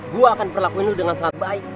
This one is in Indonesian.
gue akan perlakuin lu dengan sangat baik